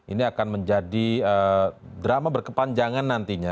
ini akan menjadi drama berkepanjangan nantinya